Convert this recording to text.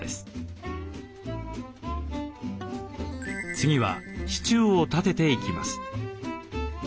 次は支柱を立てていきます。